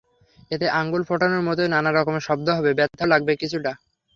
এতে আঙুল ফোটানোর মতোই নানা রকমের শব্দ হবে, ব্যথাও লাগবে কিছুটা।